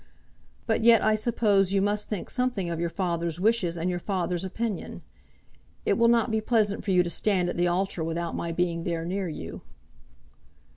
But yet I suppose you must think something of your father's wishes and your father's opinion. It will not be pleasant for you to stand at the altar without my being there near you."